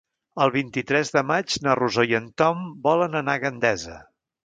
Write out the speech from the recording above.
El vint-i-tres de maig na Rosó i en Tom volen anar a Gandesa.